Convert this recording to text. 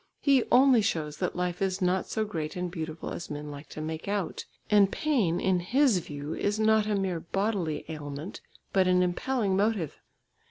He only shows that life is not so great and beautiful as men like to make out, and pain in his view is not a mere bodily ailment, but an impelling motive.